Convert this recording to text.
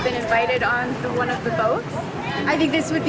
kami sangat teruja untuk diwawancari di salah satu perahu